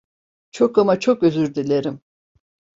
Çok ama çok özür dilerim.